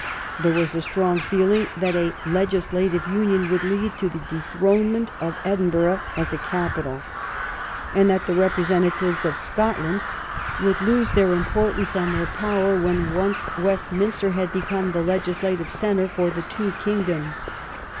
There was a strong feeling that a legislative union would lead to the dethrone ment of Edinburgh as a capital, and that the represent atives of Scotland would lose their importance and their power when once Westminster had become the legislative centre for the two kingdoms.